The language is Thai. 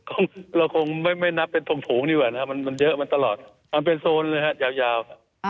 โอ้วเราคงไม่นับเป็นโถงถูกนี้อีกกว่าน่ะมันเยอะมันตลอดมันเป็นโซนเลยค่ะยาว